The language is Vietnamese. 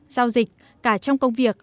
giao dịch cả trong công việc